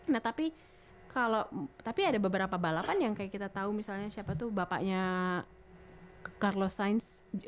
nah tapi kalau tapi ada beberapa balapan yang kayak kita tahu misalnya siapa tuh bapaknya carlos sainz